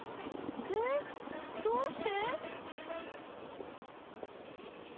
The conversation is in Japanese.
えっどうして？